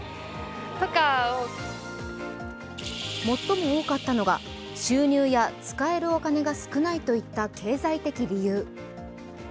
最も多かったのが収入や使えるお金が少ないといった経済的理由。